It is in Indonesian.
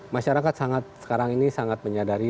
masyarakat sekarang ini sangat menyadari